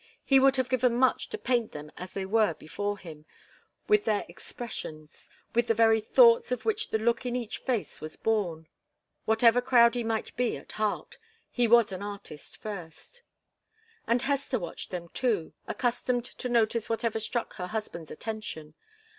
He would have given much to paint them as they were before him, with their expressions with the very thoughts of which the look in each face was born. Whatever Crowdie might be at heart, he was an artist first. And Hester watched them, too, accustomed to notice whatever struck her husband's attention.